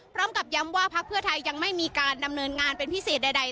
พร้อมกับย้ำว่าพักเพื่อไทยยังไม่มีการดำเนินงานเป็นพิเศษใด